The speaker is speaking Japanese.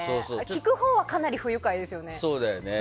聞くほうはかなり不愉快ですよね。